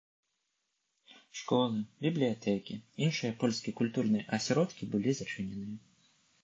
Школы, бібліятэкі, іншыя польскія культурныя асяродкі былі зачыненыя.